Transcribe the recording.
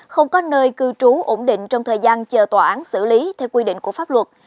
không có nơi cư trú ổn định trong thời gian chờ tòa án xử lý theo quy định của pháp luật